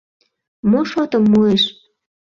Мо шотым муэш?